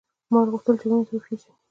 مار غوښتل چې ونې ته وخېژي.